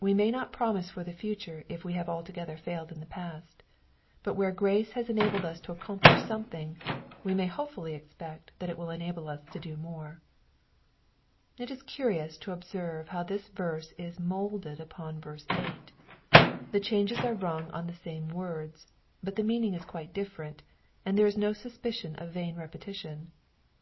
We may BOt promise for the future if we have altogether failed in the past ; but where ffrace has enabled us to accomplish something, we may hopefully expect that it will enable us to do more. It is curious to observe how this verse is moulded upon verse 8 : the changes are rung on the same words, but the meaning is quite difiterent, and there is no suspicion of a vain repetition.